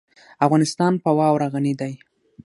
افغانستان په واوره غني دی.